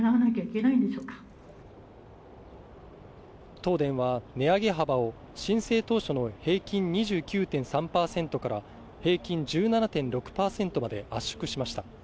東電は値上げ幅を申請当初の平均２９．３％から平均１７．６％まで圧縮しました。